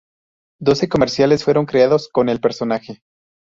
Doce comerciales fueron creados con el personaje.